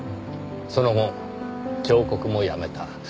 その後彫刻もやめた。